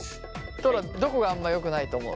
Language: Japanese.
トラどこがあんまりよくないと思う？